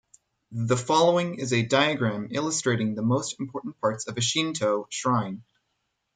The following is a diagram illustrating the most important parts of a Shinto shrine.